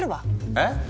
えっ？